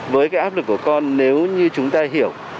với cái áp lực của con nếu như chúng ta hiểu